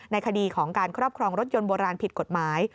คดีของการครอบครองรถยนต์โบราณผิดกฎหมาย